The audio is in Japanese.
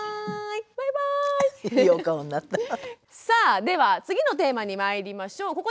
さあでは次のテーマにまいりましょう。